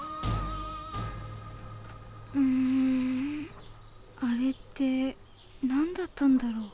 うんあれって何だったんだろう？